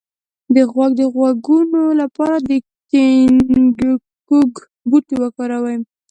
د غوږ د غږونو لپاره د ګینکګو بوټی وکاروئ